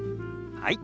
はい。